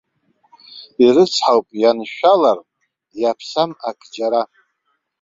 Ирыцҳауп ианшәалар иаԥсам ак џьара.